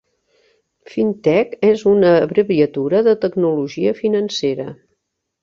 Fintech és una abreviatura de tecnologia financera.